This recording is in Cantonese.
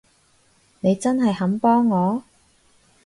你真係肯幫我？